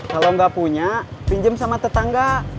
kalau gak punya pinjem sama tetangga